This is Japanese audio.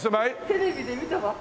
テレビで見たばっかり。